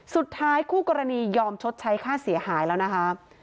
คู่กรณียอมชดใช้ค่าเสียหายแล้วนะคะ